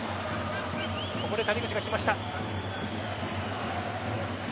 ここで谷口が来ました。